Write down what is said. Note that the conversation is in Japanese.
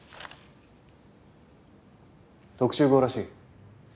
特集号らしい。